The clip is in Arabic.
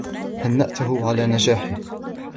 هنأته على نجاحه.